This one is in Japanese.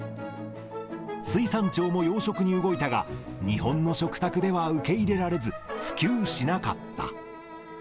水産庁も養殖に動いたが、日本の食卓では受け入れられず、普及しなかった。